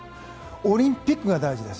オリンピックが大事です。